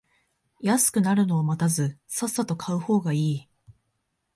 安くなるのを待たずさっさと買う方がいい